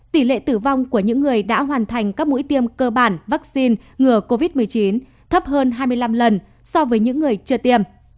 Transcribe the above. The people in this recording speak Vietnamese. tỷ lệ tử vong của những người đã hoàn thành các mũi tiêm cơ bản vaccine ngừa covid một mươi chín thấp hơn hai mươi năm lần so với những người chưa tiêm